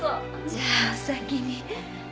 じゃあお先に。